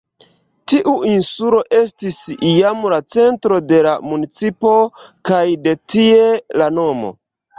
Tiu insulo estis iam la centro de la municipo, kaj de tie la nomo.